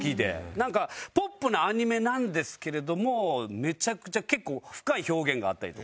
なんかポップなアニメなんですけれどもめちゃくちゃ結構深い表現があったりとか。